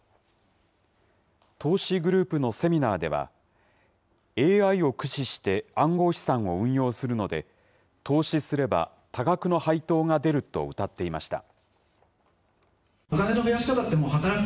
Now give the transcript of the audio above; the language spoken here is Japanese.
投資グループのセミナーでは、ＡＩを駆使して暗号資産を運用するので、投資すれば多額の配当が出るとうたっていました。